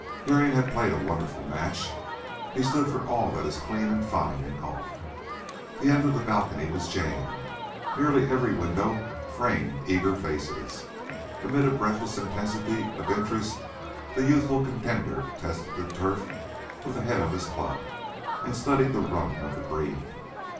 Herring had played a wonderful match; he stood for all that is clean and fine in golf. The end of the balcony was jammed; nearly every window framed eager faces; amid a breathless intensity of interest the youthful contender tested the turf with the head of his club and studied the run of the green.